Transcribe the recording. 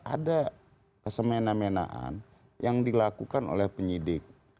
ada kesemena menaan yang dilakukan oleh penyidik